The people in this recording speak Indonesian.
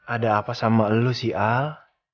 ada apa sama lu sial